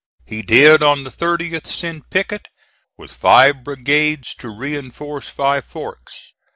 He did on the 30th send Pickett with five brigades to reinforce Five Forks.